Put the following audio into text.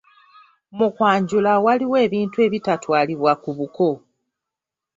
"Mu kwanjula, waliwo ebintu ebitatwalibwa ku buko."